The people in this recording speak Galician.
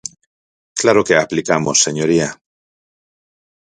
Claro que a aplicamos, señoría.